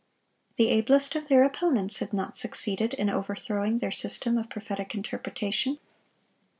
The ablest of their opponents had not succeeded in overthrowing their system of prophetic interpretation.